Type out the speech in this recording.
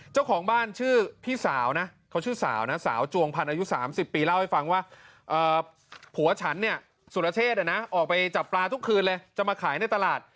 เจ้าของบ้านชื่อพี่สาวสาวจวงพันอายุ๓๐ปีเล่าให้ฟังว่า